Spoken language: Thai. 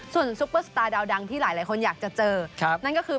ส่วนซุปเปอร์สตาร์ดาวดังที่หลายคนอยากจะเจอนั่นก็คือ